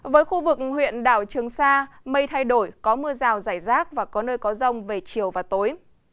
với khu vực huyện đảo trường sa mây thay đổi có mưa rào rải rác và có nơi có rông về chiều và tối